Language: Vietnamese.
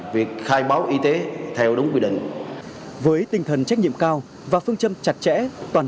việc khai báo y tế theo đúng quy định với tinh thần trách nhiệm cao và phương châm chặt chẽ toàn